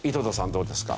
どうですか？